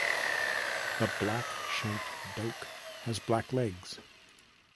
The black-shanked douc has black legs.